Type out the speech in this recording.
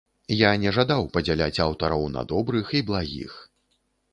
Я не жадаў падзяляць аўтараў на добрых і благіх.